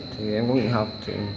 thì em có nghị học